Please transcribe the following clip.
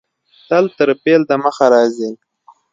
تل تر فعل د مخه راځي.